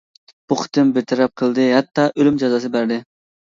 بۇ قېتىم بىر تەرەپ قىلدى ھەتتا ئۆلۈم جازاسى بەردى.